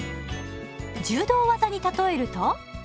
柔道技に例えると？